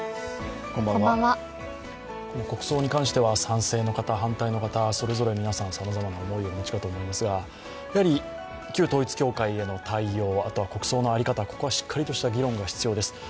国葬に関しては賛成の方、反対の方、それぞれ皆さん、さまざまな思いをお持ちかと思いますが、やはり旧統一教会への対応、国葬の在り方、ここはしっかりとした議論が必要です。